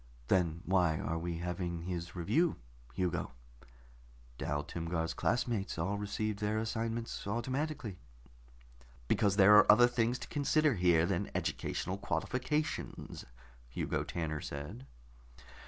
"Then why are we having his review, Hugo? Dal Timgar's classmates all received their assignments automatically." "Because there are other things to consider here than educational qualifications," Hugo Tanner said.